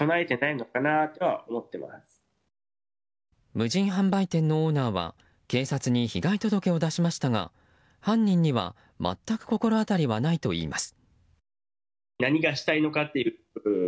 無人販売店のオーナーは警察に被害届を出しましたが犯人には全く心当たりはないといいます。